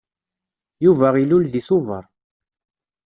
Yuba ilul deg Tubeṛ.